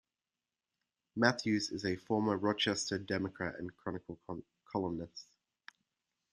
Matthews is a former "Rochester Democrat and Chronicle" columnist.